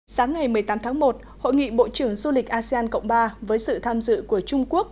sáng ngày một mươi tám tháng một hội nghị bộ trưởng du lịch asean cộng ba với sự tham dự của trung quốc